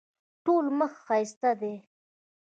ټوله مخ ښایسته ده.